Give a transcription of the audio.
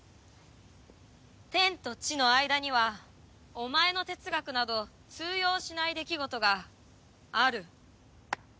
天と地の間にはお前の哲学など通用しない出来事がある。